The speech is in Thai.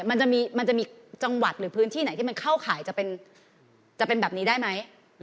มันจะมีจังหวัดหรือพื้นที่ไหนที่มันเข้าข่ายจะเป็นแบบนี้ได้ไหม